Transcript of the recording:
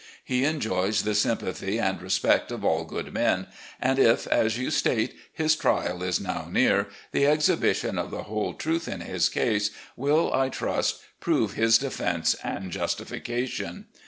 He enjoys the sympathy and respect of all good men ; and if, as you state, his trial is now near, the exhibition of the whole truth in his case will, I trust, prove his defense and justification.